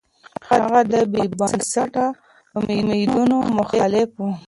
هغه د بې بنسټه اميدونو مخالف و.